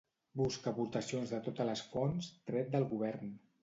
Busca aportacions de totes les fonts tret del govern.